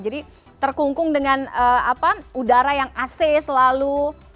jadi terkungkung dengan udara yang ac selalu